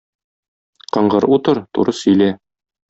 Кыңгыр утыр, туры сөйлә.